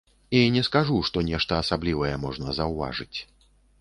І не скажу, што нешта асаблівае можна заўважыць.